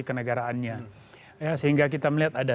kenegaraannya sehingga kita melihat ada